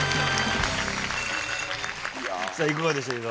さあいかがでしたか？